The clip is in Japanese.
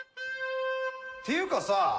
っていうかさ